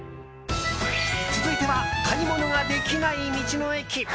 続いては買い物ができない道の駅。